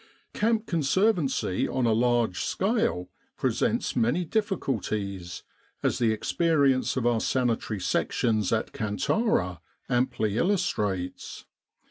Camp conservancy on a large scale presents many difficulties, as the experience of our Sanitary Sections at Kantara amply illustrates.